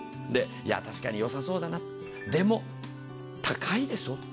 確かによさそうだな、でも、高いでしょうと。